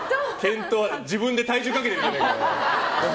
自分で体重かけてるじゃないか。